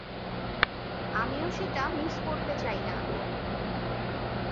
আমিও সেটা মিস করতে চাই না।